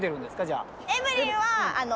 エブリンは。